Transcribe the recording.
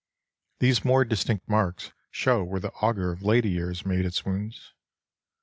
These more distinct marks show where the auger of later years made its wounds.